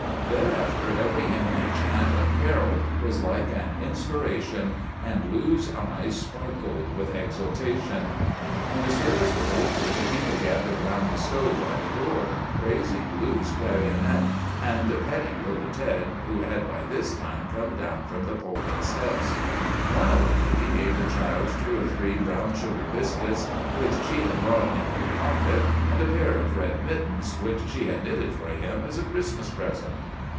"Thereafter every hymn and chant and carol was like an inspiration, and Lou's eyes sparkled with exultation. "When the service was over the people gathered round the stove by the door, praising Lou's clarionet, and petting little Ted, who had by this time come down from the pulpit steps. One old lady gave the child two or three brown sugar biscuits, which she had brought in her pocket, and a pair of red mittens, which she had knitted for him as a Christmas present.